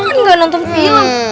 kita tidak nonton film